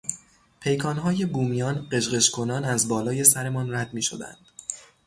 پیکانهای بومیان غژغژ کنان از بالای سرمان رد میشدند.